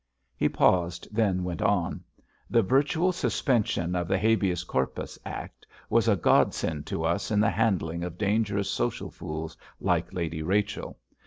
He paused, then went on: "The virtual suspension of the Habeas Corpus Act was a god send to us in the handling of dangerous social fools like Lady Rachel.